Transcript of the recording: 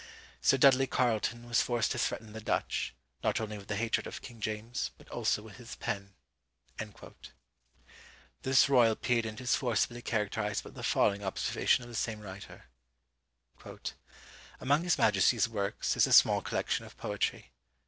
Sir Dudley Carleton was forced to threaten the Dutch, not only with the hatred of King James, but also with his pen." This royal pedant is forcibly characterised by the following observations of the same writer: "Among his majesty's works is a small collection of poetry.